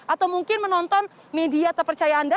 atau mungkin menonton media terpercaya anda